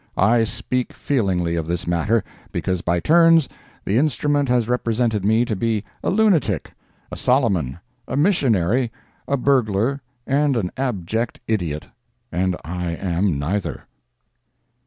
I speak feelingly of this matter, because by turns the instrument has represented me to be a lunatic, a Soloman, a missionary, a burglar and an abject idiot, and I am neither.